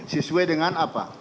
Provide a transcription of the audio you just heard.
sesuai dengan apa